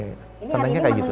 ini hari ini menunya sop butut